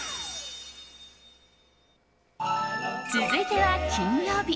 続いては、金曜日。